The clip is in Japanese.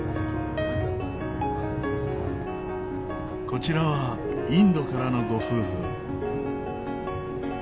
こちらはインドからのご夫婦。